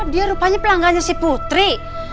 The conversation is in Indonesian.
dia rupanya pelanggannya si putri